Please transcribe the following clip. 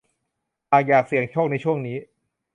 หากอยากเสี่ยงโชคในช่วงนี้